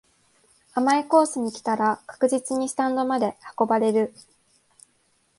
甘いコースに来たら確実にスタンドまで運ばれる